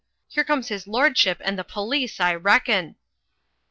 Here comes his lordship and the police, I reckon."